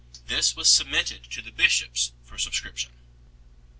This was submitted to the bishops for subscription.